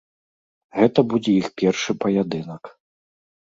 Гэта будзе іх першы паядынак.